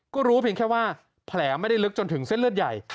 ก็รู้เพียงแค่ว่าแผลไม่ได้ลึกจนถึงเส้นเลือดใหญ่